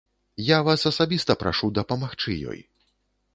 Я вас асабіста прашу дапамагчы ёй.